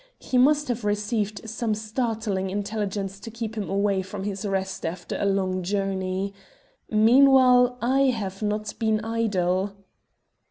He must have received some startling intelligence to keep him away from his rest after a long journey. Meanwhile, I have not been idle."